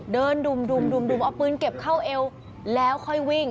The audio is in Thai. ดุ่มเอาปืนเก็บเข้าเอวแล้วค่อยวิ่ง